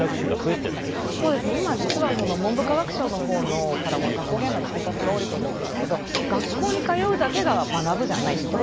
今、実は文部科学省のほうからも学校現場に通達が下りてるんですけど学校に通うだけが学ぶじゃない。